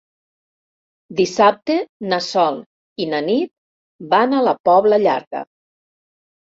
Dissabte na Sol i na Nit van a la Pobla Llarga.